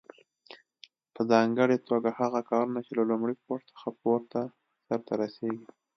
په ځانګړي توګه هغه کارونه چې له لومړي پوړ څخه پورته سرته رسیږي.